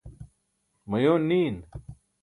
mayoon niin